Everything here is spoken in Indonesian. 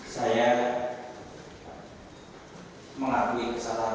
saya mengakui kesalahan saya